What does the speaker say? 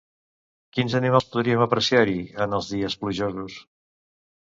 Quins animals podríem apreciar-hi en els dies plujosos?